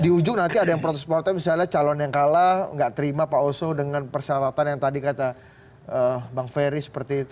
di ujung nanti ada yang protes protes misalnya calon yang kalah nggak terima pak oso dengan persyaratan yang tadi kata bang ferry seperti itu